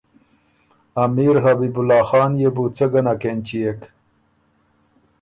امیر حبیب الله خان يې بوڅۀ ګه نک اېنچيېک